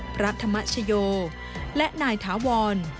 พระธรรมชโยและในถวร